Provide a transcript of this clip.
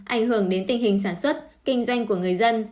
ảnh hưởng đến tình hình sản xuất kinh doanh của người dân